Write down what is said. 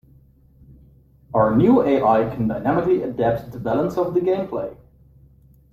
Our new AI can dynamically adapt the balance of the gameplay.